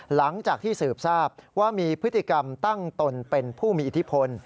หลังจากที่สืบทราบว่ามีพฤติกรรมตั้งตนเป็นผู้มีอิทธิพล